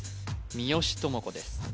三好智子です